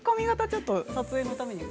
ちょっと撮影のために。